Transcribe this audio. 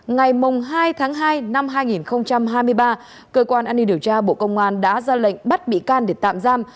ngày hai tháng hai năm hai nghìn hai mươi ba cơ quan an ninh điều tra bộ công an đã ra lệnh bắt bị can để tạm giam